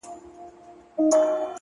بيوسي يې ده جوته، نه څه وايي نه څه وايم